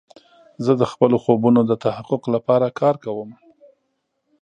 زه د خپلو خوبونو د تحقق لپاره کار کوم.